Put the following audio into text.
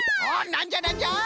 なんじゃなんじゃ？